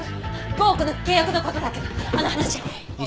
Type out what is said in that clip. ５億の契約のことだけどあの話。